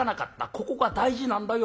ここが大事なんだよ。